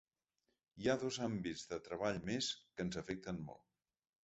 Hi ha dos àmbits de treball més que ens afecten molt.